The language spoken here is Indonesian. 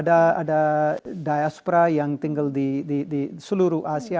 ada diaspora yang tinggal di seluruh asia